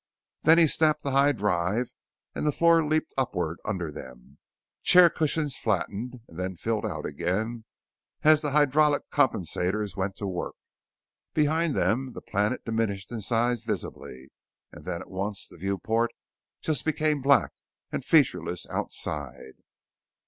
Then he snapped the high drive and the floor leaped upward under them. Chair cushions flattened, and then filled out again as the hydraulic compensators went to work. Behind them the planet diminished in size visibly, and then, at once, the viewport just became black and featureless outside.